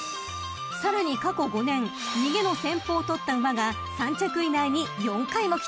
［さらに過去５年逃げの戦法を取った馬が３着以内に４回もきています］